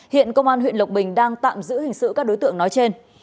hiện công an huyện lộc bình đang tạm giữ hình sự các đối tượng nói trên